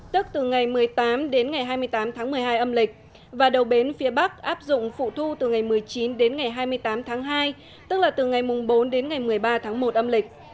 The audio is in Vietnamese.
tức từ ngày một mươi tám đến ngày hai mươi tám tháng một mươi hai âm lịch và đầu bến phía bắc áp dụng phụ thu từ ngày một mươi chín đến ngày hai mươi tám tháng hai tức là từ ngày bốn đến ngày một mươi ba tháng một âm lịch